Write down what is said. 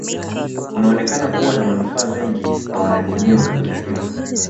Unaonekana kuwa na manufaa mengi kwa wanajamii wa kabila hilo